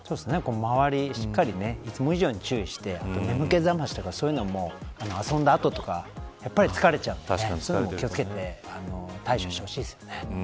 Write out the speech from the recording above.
周りをしっかりいつも以上に注意して眠気覚ましとか、そういうのを遊んだ後とか疲れちゃうんで気を付けて対処してほしいですね。